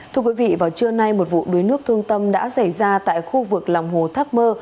thưa quý vị vào trưa nay một vụ đuối nước thương tâm đã xảy ra tại khu vực lòng hồ thác mơ